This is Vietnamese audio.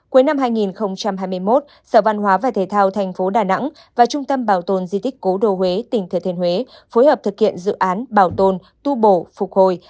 cuối năm hai nghìn hai mươi một sở văn hóa và thể thao tp đà nẵng và trung tâm bảo tồn di tích cố đô huế tỉnh thừa thiên huế phối hợp thực hiện dự án bảo tồn tu bổ phục hồi